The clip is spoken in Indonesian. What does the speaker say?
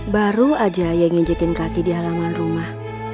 baru aja ayah nginjekin kaki di halaman rumah